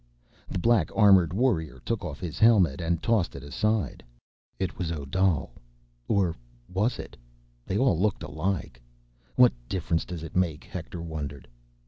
The black armored warrior took off his helmet and tossed it aside. It was Odal. Or was it? They all looked alike. What difference does it make? Hector wondered.